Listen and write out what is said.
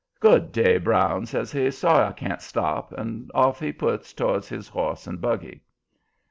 "Good day, Brown," says he. "Sorry I can't stop." And off he puts towards his horse and buggy.